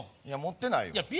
いや持ってないよ